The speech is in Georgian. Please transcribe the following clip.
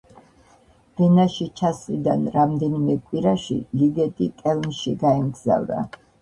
ვენაში ჩასვლიდან რამდენიმე კვირაში ლიგეტი კელნში გაემგზავრა.